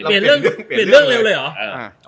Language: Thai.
เปลี่ยนเรื่องเร็วเลยเหรอ